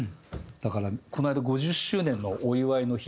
だからこの間５０周年のお祝いの日っていう。